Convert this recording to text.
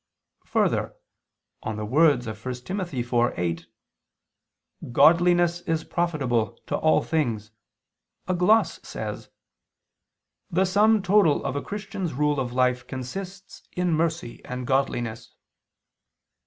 2: Further, on the words of 1 Tim. 4:8: "Godliness is profitable to all things," a gloss says: "The sum total of a Christian's rule of life consists in mercy and godliness."